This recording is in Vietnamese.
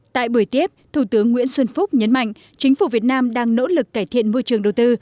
tại buổi tiếp thủ tướng nguyễn xuân phúc nhấn mạnh chính phủ việt nam đang nỗ lực cải thiện môi trường đầu tư